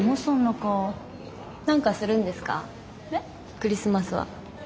クリスマスは。